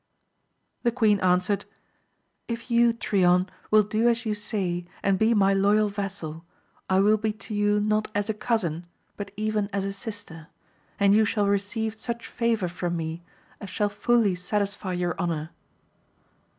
The queen answered. If you, Trion, will do as you say, and be my loyal vassal, I will be to you not as a cousin but even as a sister, and you shall re ceive such favour from me as shall fully satisfy your honour.